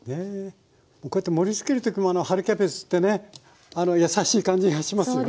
こうやって盛りつける時も春キャベツってね優しい感じがしますよね。